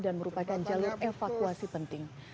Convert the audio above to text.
dan merupakan jalur evakuasi penting